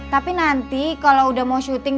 tapi nanti kalau udah mau syuting